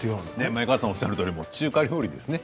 前川さんがおっしゃるように中華料理ですね